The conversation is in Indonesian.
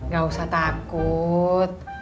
gak usah takut